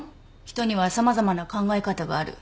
人には様々な考え方がある。